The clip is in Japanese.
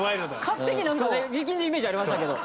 勝手になんかね力んでるイメージありましたけど。